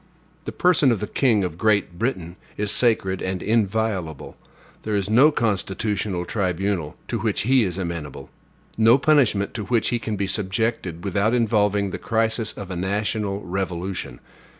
The person of the king of Great Britain is sacred and inviolable; there is no constitutional tribunal to which he is amenable; no punishment to which he can be subjected without involving the crisis of a national revolution.